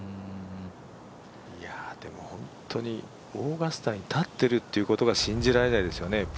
でも本当に、オーガスタに立っているっていうことが信じられないですね。